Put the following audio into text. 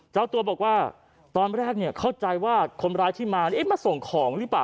เจ้าตัวบอกว่าตอนแรกเข้าใจว่าคนร้ายที่มามาส่งของหรือเปล่า